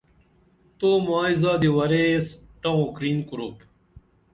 تو مائی زادی وریس ٹوں کرین کُرُپ